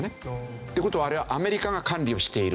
って事はあれはアメリカが管理をしている。